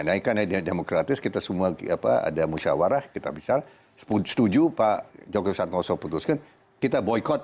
nah karena ini demokratis kita semua apa ada musyawarah kita bisa setuju pak jokowi satnoso putuskan kita boycott